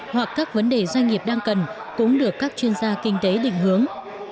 hoặc các vấn đề doanh nghiệp đang cần cũng được các chuyên gia kinh tế định hướng